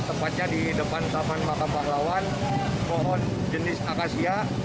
tempatnya di depan taman maka pahlawan pohon jenis akasia